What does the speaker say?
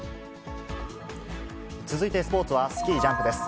続いてスポーツは、スキージャンプです。